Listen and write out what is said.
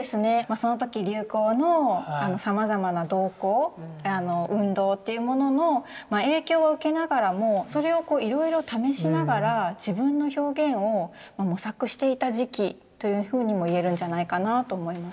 その時流行のさまざまな動向運動というものの影響を受けながらもそれをいろいろ試しながら自分の表現を模索していた時期というふうにも言えるんじゃないかなと思います。